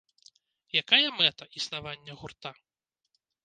Якая мэта існавання гурта?